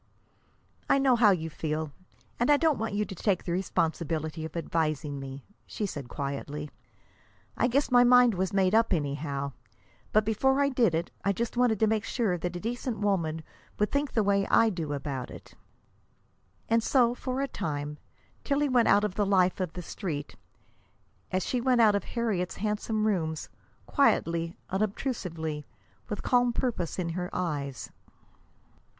"I know how you feel, and I don't want you to take the responsibility of advising me," she said quietly. "I guess my mind was made up anyhow. But before I did it I just wanted to be sure that a decent woman would think the way I do about it." And so, for a time, Tillie went out of the life of the Street as she went out of Harriet's handsome rooms, quietly, unobtrusively, with calm purpose in her eyes.